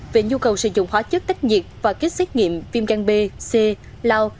về nhu cầu sử dụng hóa chất tách nhiệt và kích xét nghiệm viêm can b c lao